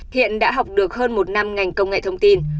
hiện đã học được hơn một năm ngành công nghệ thông tin